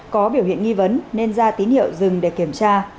có biểu hiện nghi vấn nên ra tín hiệu dừng để kiểm tra